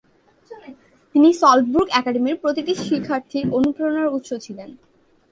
তিনি Salt Brook একাডেমির প্রতিটি শিক্ষার্থীর অনুপ্রেরণার উৎস ছিলেন।